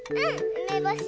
うめぼし。